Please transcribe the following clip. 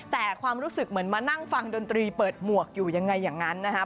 แต่ความรู้สึกเหมือนมานั่งฟังดนตรีเปิดหมวกอยู่ยังไงอย่างนั้นนะครับ